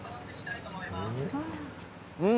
うん。